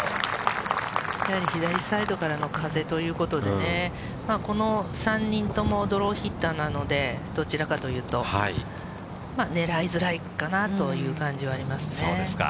やはり左サイドからの風ということでね、この３人ともドローヒッターなので、どちらかというと、ねらいづらいかなという感じはありますね。